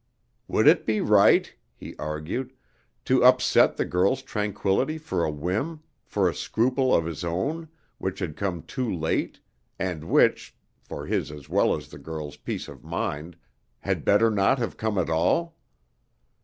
"Would it be right," he argued, "to upset the girl's tranquillity for a whim, for a scruple of his own, which had come too late, and which, for his as well as the girl's peace of mind, had better not have come at all?